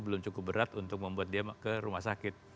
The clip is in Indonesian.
belum cukup berat untuk membuat dia ke rumah sakit